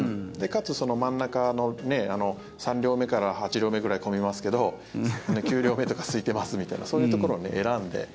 かつ真ん中の３両目から８両目くらい混みますけど９両目とかすいてますみたいなそういうところを選んで。